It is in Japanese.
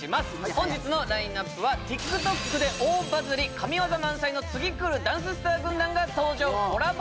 本日のラインナップはＴｉｋＴｏｋで大バズり神ワザ満載の次くるダンススター軍団が登場コラボ